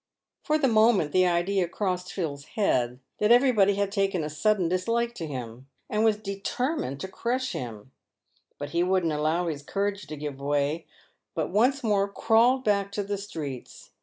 Tor the moment the idea crossed Phil's head that everybody had taken a sudden dislike to him, and was determined to crush him ; but he wouldn't allow his courage to give way, but once more crawled back to the streets.